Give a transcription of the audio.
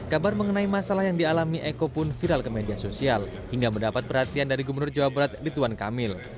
kabar mengenai masalah yang dialami eko pun viral ke media sosial hingga mendapat perhatian dari gubernur jawa barat rituan kamil